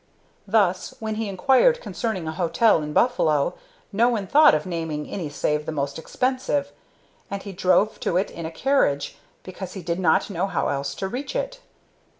Thus, when he inquired concerning a hotel in Buffalo, no one thought of naming any save the most expensive, and he drove to it in a carriage, because he did not know how else to reach it.